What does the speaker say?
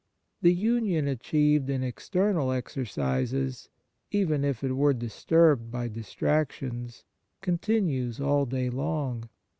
The union achieved in external exercises, even if it were disturbed by distractions, continues all day long.